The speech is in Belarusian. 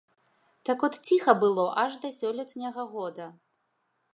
Так от ціха было аж да сёлетняга года.